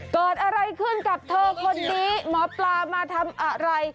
เกิดอะไรขึ้นกับเธอคนนี้หมอปลามาทำอะไร